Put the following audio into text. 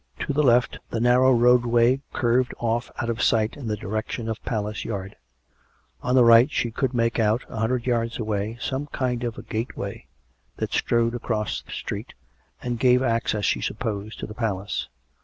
To the left the narrow roadway curved oif out of sight in the direction of Palace Yard; on the right she could make out, a hundred yards away, some kind of a gateway, that strode across the street, and gave access, she sup posed, to the Palace.